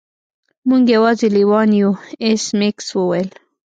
موږ یوازې لیوان یو ایس میکس وویل